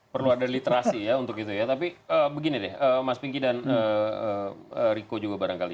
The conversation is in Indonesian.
perlu ada literasi ya untuk itu ya tapi begini deh mas pinky dan riko juga barangkali